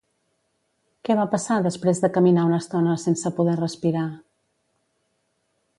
Què va passar després de caminar una estona sense poder respirar?